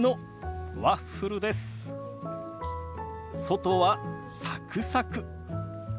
外はサクサク。